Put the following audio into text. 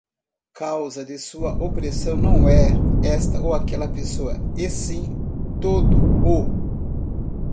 causa de sua opressão não é esta ou aquela pessoa, e sim todo o